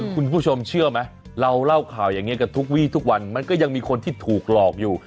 คุณผู้ชมเชื่อไหมเราเล่าข่าวอย่างนี้กับทุกวีทุกวันมันก็ยังมีคนที่ถูกหลอกอยู่